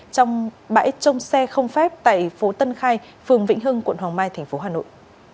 trong bãi trông xe không phép tại phố tân khai phường vĩnh hưng quận hoàng mai tp hà nội